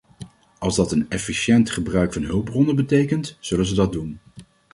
Als dat een efficiënt gebruik van hulpbronnen betekent, zullen ze dat doen.